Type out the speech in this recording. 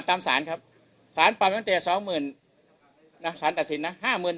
ตามสารครับสารปรับตั้งแต่สองหมื่นนะสารตัดสินนะห้าหมื่น